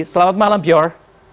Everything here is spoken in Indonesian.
selamat malam pior